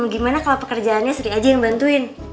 gimana kalau pekerjaannya sri aja yang ngebantuin